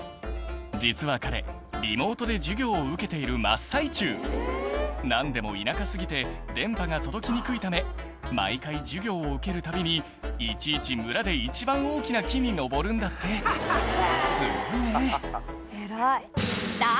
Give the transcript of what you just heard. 実は彼リモートで授業を受けている真っ最中何でも田舎過ぎて電波が届きにくいため毎回授業を受けるたびにいちいち村で一番大きな木に登るんだってすごいねさぁ